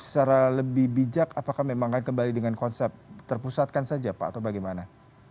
secara lebih bijak apakah memang akan kembali dengan konsep terpusatkan saja pak atau bagaimana